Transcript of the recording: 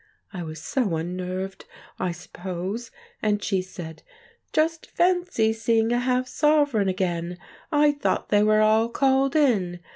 —I was so unnerved, I suppose—and she said, 'Just fancy seeing a half sovereign again! I thought they were all called in.